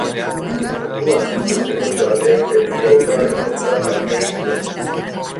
Orduan beste kotxe batek lehenengo autoaren kontra talka egin zuen.